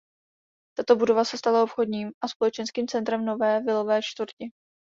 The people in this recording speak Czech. Tato budova se stala obchodním a společenským centrem nové vilové čtvrti.